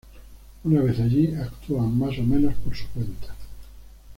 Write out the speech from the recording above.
Una vez allí, actúan más o menos por su cuenta.